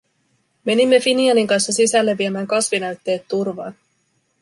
Menimme Finianin kanssa sisälle viemään kasvinäytteet turvaan.